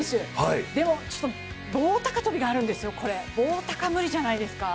でも棒高跳かあるんですよ、棒高は無理じゃないですか。